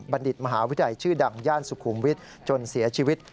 ดิตมหาวิทยาลัยชื่อดังย่านสุขุมวิทย์จนเสียชีวิต